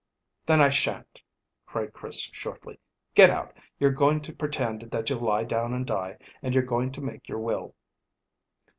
"Then I shan't," cried Chris shortly. "Get out! You're going to pretend that you'll lie down and die, and you're going to make your will."